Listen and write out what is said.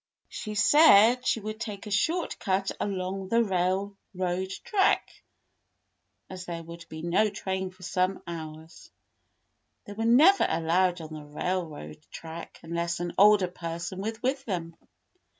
She said they would take a short cut along the railroad track, as there would be no train for some hours. They were never allowed on the railroad track unless an older person was with them.